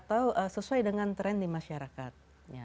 atau sesuai dengan tren di masyarakat